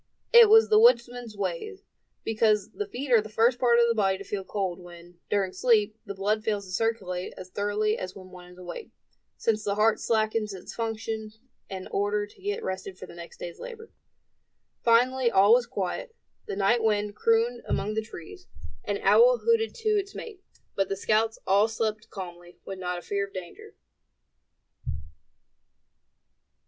It was the woodsman's way, because the feet are the first part of the body to feel cold, when, during sleep, the blood fails to circulate as thoroughly as when one is awake, since the heart slackens its functions, in order to get rested for the next day's labor. Finally all was quiet. The night wind crooned among the trees; an owl hooted to its mate; but the scouts all slept calmly, with not a fear of danger.